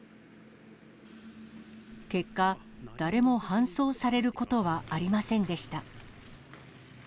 結果、誰も搬送されることはありませんでした。